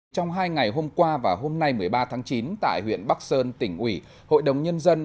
trong hai ngày hôm qua và hôm nay một mươi ba tháng chín tại huyện bắc sơn tỉnh ủy hội đồng nhân dân